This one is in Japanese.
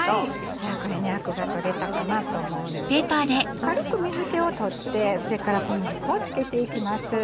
じゃあこれアクが取れたかなと思うので軽く水気を取ってそれから小麦粉を付けていきます。